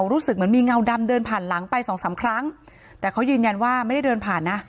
รู้สึกเหมือนมีเงาดำเดินผ่านหลังไปสองสามครั้งแต่เขายืนยันว่าไม่ได้เดินผ่านนะ